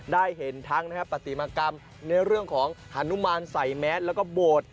ได้เห็นทั้งปฏิมากรรมในเรื่องของฮานุมานใส่แมสแล้วก็โบสถ์